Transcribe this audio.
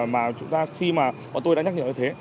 mà chúng ta khi mà bọn tôi đã nhắc nhở như thế